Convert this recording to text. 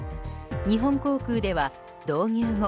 日本航空では導入後